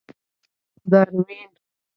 داروېن.